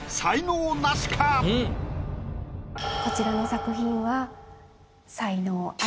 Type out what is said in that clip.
こちらの作品は。